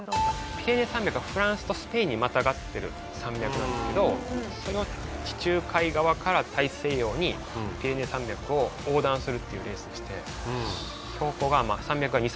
ピレネー山脈はフランスとスペインにまたがってる山脈なんですけどその地中海側から大西洋にピレネー山脈を横断するっていうレースでして。